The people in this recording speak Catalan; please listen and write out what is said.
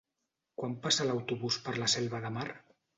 Quan passa l'autobús per la Selva de Mar?